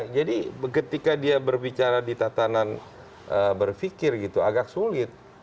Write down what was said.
jadi ketika dia berbicara di tatanan berfikir gitu agak sulit